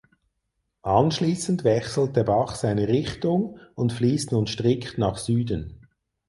Anschließend wechselt der Bach seine Richtung und fließt nun strikt nach Süden.